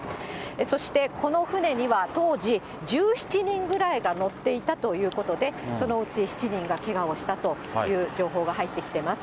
そしてこの船には、当時１７人ぐらいが乗っていたということで、そのうち７人がけがをしたという情報が入ってきてます。